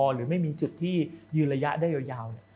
หรือไม่มีจุดที่ยืนระยะได้ยาว